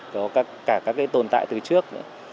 có cả các tồn tại từ trước